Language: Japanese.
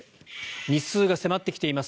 日数が迫ってきています